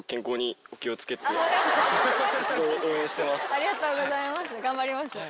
ありがとうございます頑張ります。